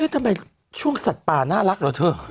ทำไมช่วงสัตว์ป่าน่ารักเหรอเธอ